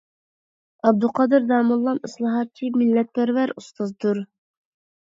ئابدۇقادىر داموللام ئىسلاھاتچى، مىللەتپەرۋەر ئۇستازدۇر.